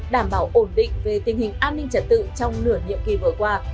đảm bảo ổn định về tình hình an ninh trật tự trong nửa nhiệm kỳ vừa qua